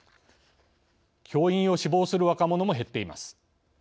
教員を志望する若者も減っています。